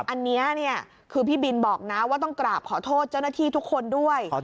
อันนี้คือพี่บินบอกนะว่าต้องกราบขอโทษเจ้าหน้าที่ทุกคนด้วย